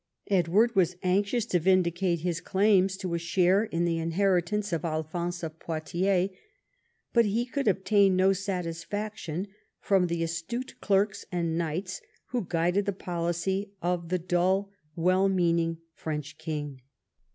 Edward was anxious to vindicate his claims to a share in the inheritance of Alphonse of Poitiers, but he could obtain no satisfaction from the astute clerks and knights who guided the policy of the dull well meaning French king.